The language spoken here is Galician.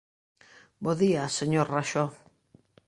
Bo día, señor Raxó.